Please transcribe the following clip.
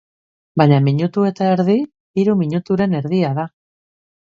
Baina minutu eta erdi, hiru minuturen erdia da.